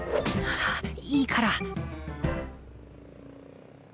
いいから！